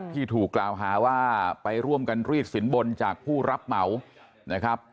ที่ถูกกล่าวหาว่าไปร่วมกันรีดสินบนจากผู้รับเหมานะครับ